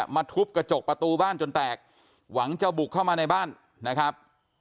ทุบกระจกประตูบ้านจนแตกหวังจะบุกเข้ามาในบ้านนะครับ